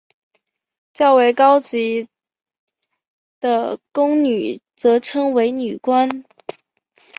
较为高级的宫女则称为女官。